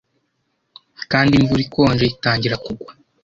Kandi imvura ikonje itangira kugwa